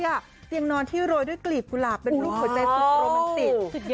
อ่ะเตียงนอนที่โรยด้วยกลีบกุหลาบเป็นลูกหัวใจสุดโรมันสิตสุดยอด